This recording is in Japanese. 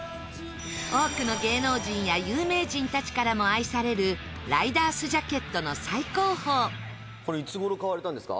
多くの芸能人や有名人たちからも愛されるライダースジャケットの最高峰北山：これ、いつ頃買われたんですか？